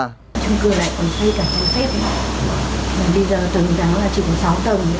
trung cư này còn xây cả tầng phép bây giờ tầng đó chỉ có sáu tầng